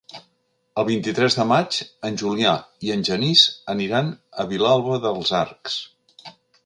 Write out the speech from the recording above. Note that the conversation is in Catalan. El vint-i-tres de maig en Julià i en Genís aniran a Vilalba dels Arcs.